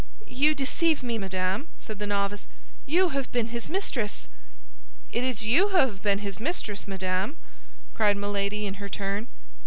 "You deceive me, madame," said the novice; "you have been his mistress!" "It is you who have been his mistress, madame!" cried Milady, in her turn.